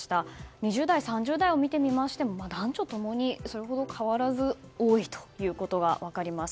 ２０代、３０代を見ても男女共にそれほど変わらずに多いということが分かります。